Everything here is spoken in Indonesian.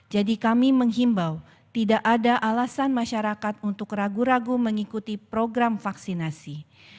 jadi kami menghimbau tidak ada alasan masyarakat untuk ragu ragu mengikuti program vaksinasi